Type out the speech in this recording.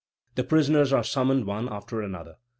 The prisoners are summoned one after another.